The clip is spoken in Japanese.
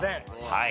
はい。